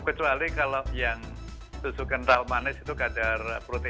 kecuali kalau yang susu kental manis itu kadar protein